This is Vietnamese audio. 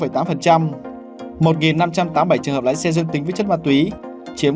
một năm trăm tám mươi bảy trường hợp lái xe dương tính với chất ma túy chiếm một mươi năm